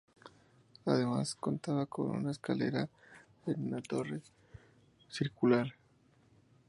Además, contaba con una escalera en una torre circular.